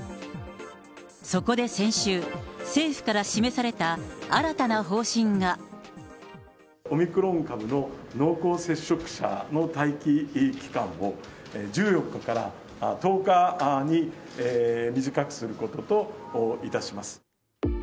そこで先週、政府から示された新たな方針が。オミクロン株の濃厚接触者の待機期間を、１４日から１０日に短くすることといたします。